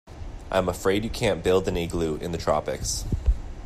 I'm afraid you can't build an igloo in the tropics.